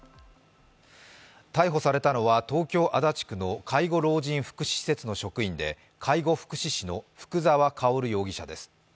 逮捕されたのは東京・足立区の介護老人福祉施設の職員で、介護福祉士の福沢薫容疑者です。